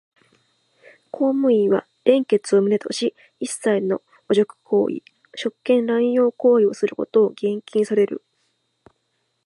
公務員は廉潔を旨とし、一切の汚辱行為、職権濫用行為をすることを厳禁される。